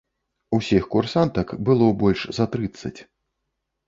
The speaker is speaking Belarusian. Усіх курсантак было больш за трыццаць.